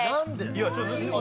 いやちょっと。